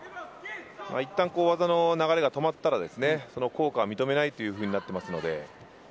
いったん技の流れが止まったら効果が認めないということになります。